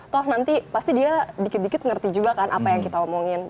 toh nanti pasti dia dikit dikit ngerti juga kan apa yang kita omongin